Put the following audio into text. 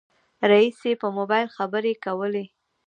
رئيسې په موبایل خبرې کولې.